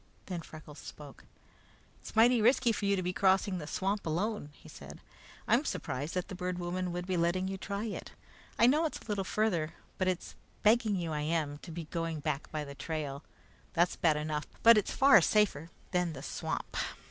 Then Freckles spoke. "It's mighty risky for you to be crossing the swamp alone," he said. "I'm surprised that the Bird Woman would be letting you try it. I know it's a little farther, but it's begging you I am to be going back by the trail. That's bad enough, but it's far safer than the swamp."